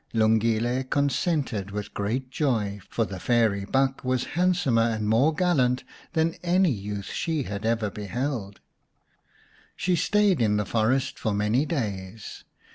Lungile consented with great joy, for the fairy buck was handsomer and more gallant than any youth she had ever beheld. She 222 The Enchanted Buck stayed in the forest for many days.